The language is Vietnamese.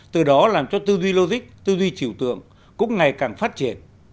từ đó làm cho tư duy logic tư duy chiều tượng cũng ngày càng phát triển